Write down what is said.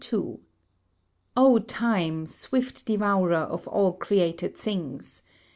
O time! swift devourer of all created things!